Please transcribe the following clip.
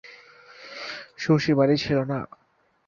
শশী বাড়ি ছিল না।